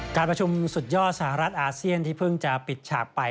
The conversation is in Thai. การประชุมสุดยอดสหรัฐอาเซียนที่เพิ่งจะปิดฉากไป